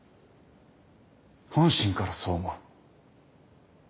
本心からそう思う。